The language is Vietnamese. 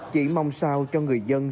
chỉ mong sao cho người dân